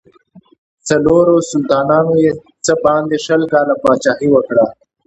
څلورو سلطانانو یې څه باندې شل کاله پاچهي وکړه.